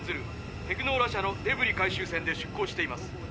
テクノーラ社のデブリ回収船で出航しています」。